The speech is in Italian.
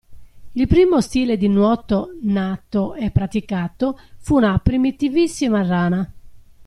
Il primo stile di nuoto "nato" e praticato fu una primitivissima rana.